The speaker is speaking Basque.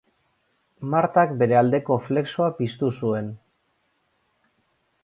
Martak bere aldeko flexoa piztu zuen.